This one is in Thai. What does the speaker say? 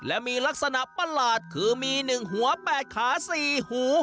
และมีลักษณะป้านหลาดคือมีหนึ่งหัวแปดขาสี่หู